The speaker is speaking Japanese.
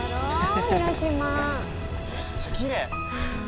めっちゃきれい！